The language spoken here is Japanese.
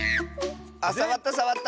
あっさわったさわった。